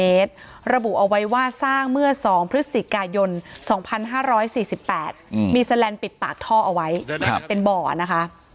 ระบุเอาไว้ว่าสร้างเมื่อ๒พฤศจิกายน๒๕๔๘มีแสลนด์ปิดปากท่อเอาไว้เป็นบ่อนะคะ